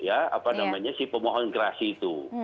apa namanya si pemohon keras itu